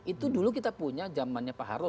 itu dulu kita punya jamannya pak haro